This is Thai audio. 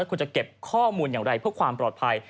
คุณจะเก็บข้อมูลอย่างไรเพื่อความปลอดภัย